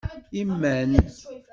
Iman.